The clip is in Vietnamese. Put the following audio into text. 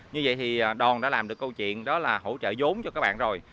như vậy thì đoàn đã làm được câu chuyện đó là hỗ trợ giống cho các bạn rồi